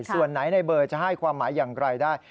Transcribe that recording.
ส่วนไหนในเบอร์จะให้ความหมายอย่างไรได้